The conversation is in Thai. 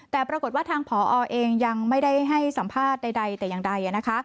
แต่ปรากฏว่าทางผอเองยังไม่ได้ให้สัมภาษณ์ใดแต่อย่างใดนะคะ